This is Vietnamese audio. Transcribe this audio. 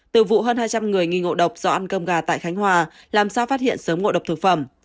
từ vụ hơn hai trăm linh người nghi ngộ độc do ăn cơm gà tại khánh hòa làm sao phát hiện sớm ngộ độc thực phẩm